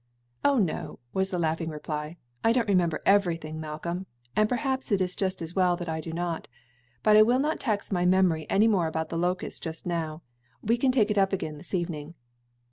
"Oh no," was the laughing reply; "I do not remember everything, Malcolm, and perhaps it is just as well that I do not. But I will not tax my memory any more about the locust just now; we can take it up again this evening."